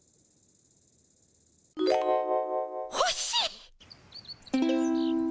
ほしい。